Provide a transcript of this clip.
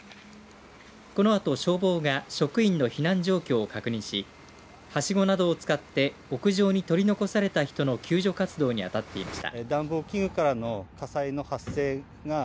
このあと消防が職員の避難状況を確認しはしごなどを使って屋上に取り残された人の救助活動にあたっていました。